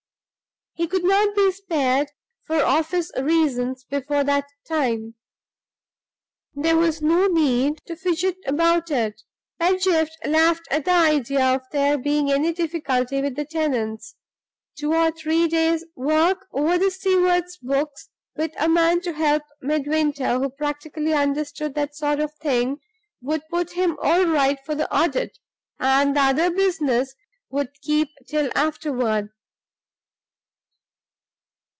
He could not be spared, for office reasons, before that time. There was no need to fidget about it; Pedgift laughed at the idea of there being any difficulty with the tenants. Two or three day's work over the steward's books with a man to help Midwinter who practically understood that sort of thing would put him all right for the audit; and the other business would keep till afterward.